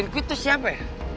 sirkuit tuh siapa ya